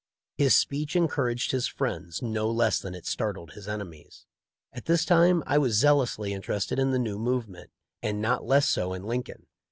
His speech encouraged his friends no less than it startled his enemies. At this time I was zealously interested in the new movement, and not less so in Lincoln.